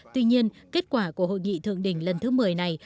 tuy nhiên kết quả của hội nghị thượng đỉnh lần thứ một mươi này